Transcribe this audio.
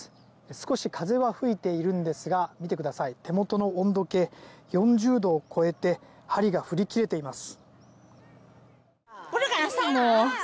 少し風は吹いているんですが見てください、手元の温度計４０度を超えて針が振り切れています。